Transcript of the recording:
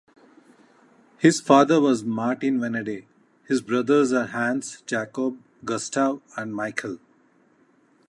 His father was Martin Venedey, his brothers are Hans, Jakob, Gustav and Michael.